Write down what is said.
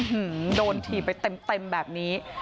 โดนถีบไปเต็มแบบนี้